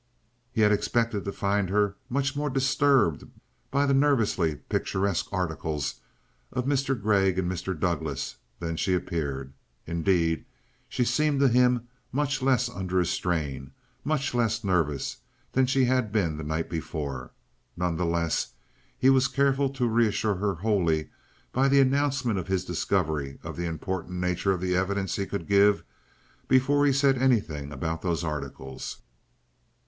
He had expected to find her much more disturbed by the nervously picturesque articles of Mr. Gregg and Mr. Douglas than she appeared. Indeed, she seemed to him much less under a strain, much less nervous than she had been the night before. None the less, he was careful to reassure her wholly by the announcement of his discovery of the important nature of the evidence he could give, before he said anything about those articles.